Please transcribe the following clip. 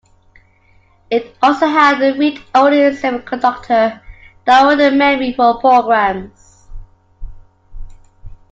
It also had read-only semiconductor diode memory for programs.